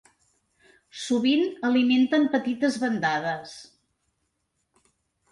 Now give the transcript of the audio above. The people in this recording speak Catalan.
Sovint alimenten petites bandades.